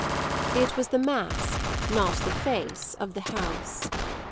It was the mask, not the face of the house.